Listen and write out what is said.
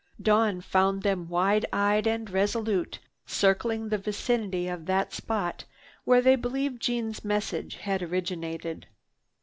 Dawn found them wide eyed and resolute, circling the vicinity of that spot where they believed Jeanne's message had originated.